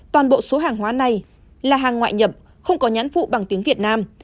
toàn bộ số hàng hóa này là hàng ngoại nhập không có nhãn phụ bằng tiếng việt nam